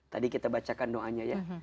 tadi kita bacakan doanya ya